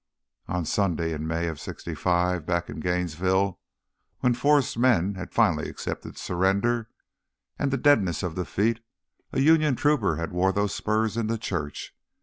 On a Sunday in May of '65, back in Gainesville, when Forrest's men had finally accepted surrender and the deadness of defeat, a Union trooper had worn those spurs into church.